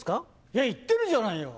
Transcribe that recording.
いや言ってるじゃないよ！